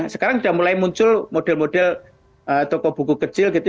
sekarang sudah mulai muncul model model toko buku kecil gitu